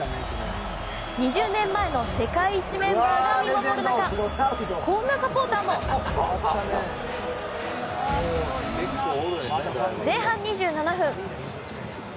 ２０年前の世界一メンバーが見守る中こんなサポーターも。前半２７分。